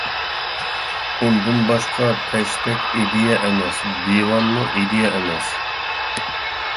ئۇندىن باشقا تەشتەك ئىدىيە ئەمەس، دىۋانمۇ ئىدىيە ئەمەس!